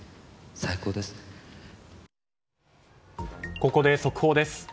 ここで速報です。